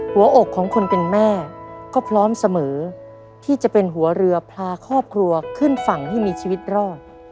หัวอกของคนเป็นแม่ก็พร้อมเสมอที่จะเป็นหัวเรือพาครอบครัวขึ้นฝั่งให้มีชีวิตรอด